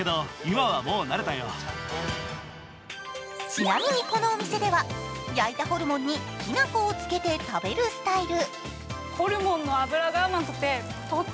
ちなみに、このお店では焼いたホルモンにきな粉をつけて食べるスタイル。